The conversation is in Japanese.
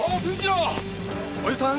おやじさん